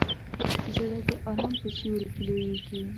زړه د ارام په سیوري کې لویېږي.